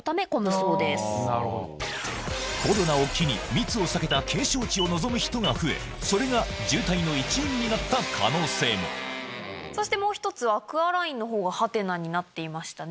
コロナを機に密を避けた景勝地を望む人が増えそれが渋滞の一因になった可能性もそしてもう１つアクアラインの方がハテナになっていましたね。